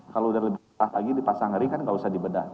kalau udah lebih patah lagi dipasang ring kan nggak usah dibedah